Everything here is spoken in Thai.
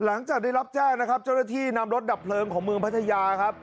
หลังจากได้รับแจ้งนะครับเจ้าหน้าที่นำรถดับเพลิงของเมืองพัทยาครับ